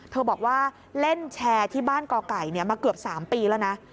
บอกว่าเล่นแชร์ที่บ้านก่อไก่มาเกือบ๓ปีแล้วนะ